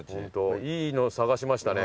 いいの探しましたね